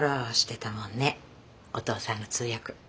お父さんの通訳。